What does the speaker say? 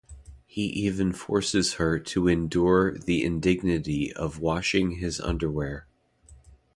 He even forces her to endure the indignity of washing his underwear.